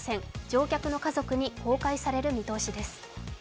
乗客の家族に公開される見通しです。